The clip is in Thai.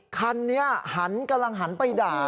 คันนี้หันกำลังหันไปด่า